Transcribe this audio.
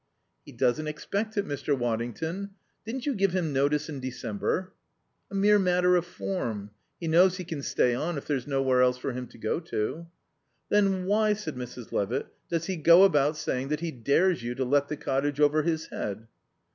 "He doesn't expect it, Mr. Waddington. Didn't you give him notice in December?" "A mere matter of form. He knows he can stay on if there's nowhere else for him to go to." "Then why," said Mrs. Levitt, "does he go about saying that he dares you to let the cottage over his head?"